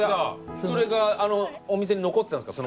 それがお店に残ってたんですか？